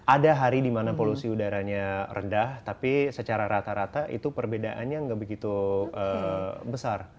ada hari di mana polusi udaranya rendah tapi secara rata rata itu perbedaannya nggak begitu besar